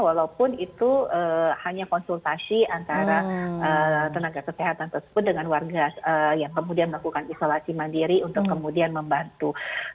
walaupun itu hanya konsultasi antara tenaga kesehatan tersebut dengan warga yang kemudian melakukan isolasi mandiri untuk kemudian membantu